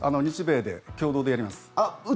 日米で共同でやります。